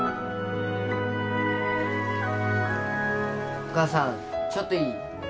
お母さんちょっといい？